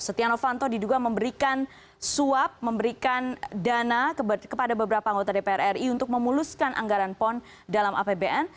setia novanto diduga memberikan suap memberikan dana kepada beberapa anggota dpr ri untuk memuluskan anggaran pon dalam apbn